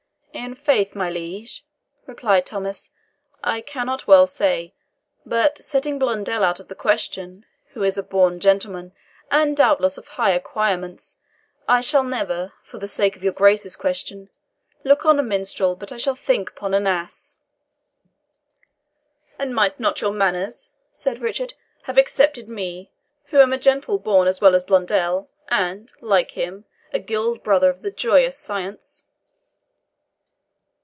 "In faith, my liege," replied Thomas, "I cannot well say; but setting Blondel out of the question, who is a born gentleman, and doubtless of high acquirements, I shall never, for the sake of your Grace's question, look on a minstrel but I shall think upon an ass." "And might not your manners," said Richard, "have excepted me, who am a gentleman born as well as Blondel, and, like him, a guild brother of the joyeuse science?"